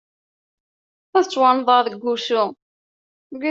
Ad ttwannḍeɣ deg usu.